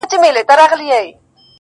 o چرته هندوان، چرته توتان٫